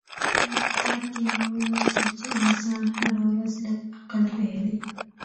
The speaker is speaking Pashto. يو کتاب کې مې ولوستل چې انسان هره ورځ لږ عقل بايلي.